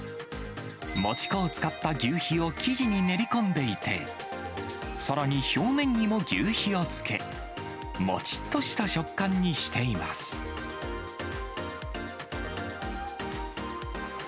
餅粉を使った求肥を生地に練り込んでいて、さらに表面にも求肥をつけ、もちっとした食感にしています。